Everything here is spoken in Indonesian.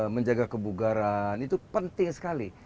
menjaga kebugaran itu penting sekali